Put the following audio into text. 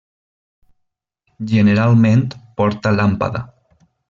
Generalment porta làmpada.